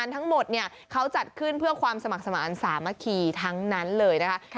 เพื่อความสมัครสมัครสามัคคีทั้งนั้นเลยนะคะ